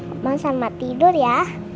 omah selamat tidur ya